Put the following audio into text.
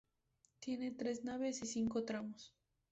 Tiene tres naves y cinco tramos.